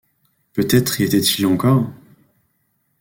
Peut-être y étaient-ils encore